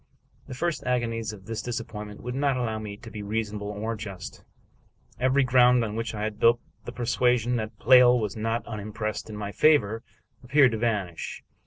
The first agonies of this disappointment would not allow me to be reasonable or just. Every ground on which I had built the persuasion that Pleyel was not unimpressed in my favor appeared to vanish.